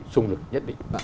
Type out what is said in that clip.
xung lực nhất định